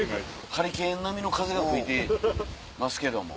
ハリケーン並みの風が吹いてますけども。